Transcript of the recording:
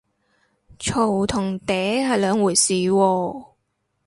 嘈同嗲係兩回事喎